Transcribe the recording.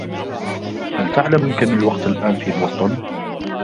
هل تعلم كم الوقت الأن في بوسطن؟